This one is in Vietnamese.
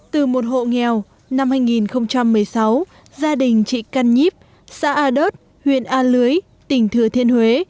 từ một hộ nghèo năm hai nghìn một mươi sáu gia đình chị căn nhíp xã a đớt huyện a lưới tỉnh thừa thiên huế